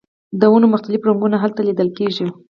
د ونو مختلف رنګونه هلته لیدل کیږي